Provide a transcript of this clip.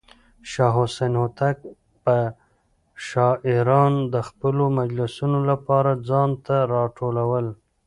شاه حسين هوتک به شاعران د خپلو مجلسونو لپاره ځان ته راټولول.